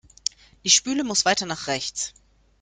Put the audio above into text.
Die Spüle muss weiter nach rechts.